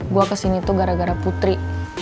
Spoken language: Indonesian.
gue kesini tuh gara gara putri